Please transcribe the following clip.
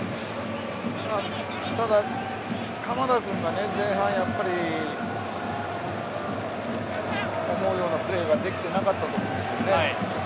ただ、鎌田君が前半思うようなプレーができていなかったと思うんですね。